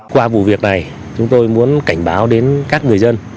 qua vụ việc này chúng tôi muốn cảnh báo đến các người dân